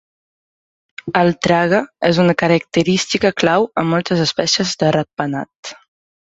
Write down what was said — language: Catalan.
El trague és una característica clau en moltes espècies de ratpenat.